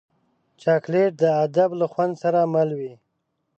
چاکلېټ د ادب له خوند سره مل وي.